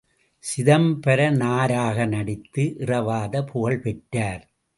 சிதம்பரனாராக நடித்து இறவாத புகழ் பெற்றார்.